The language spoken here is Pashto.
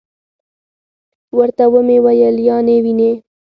ورته ومي ویل: یا نې وینې .